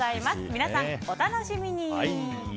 皆さん、お楽しみに！